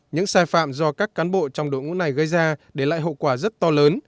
những sai phạm do các cán bộ trong đội ngũ này gây ra để lại hậu quả rất to lớn